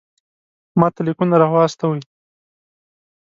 ماته لیکونه را واستوئ.